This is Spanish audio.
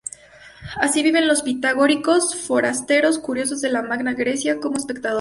Así viven los pitagóricos, forasteros curiosos de la Magna Grecia, como espectadores.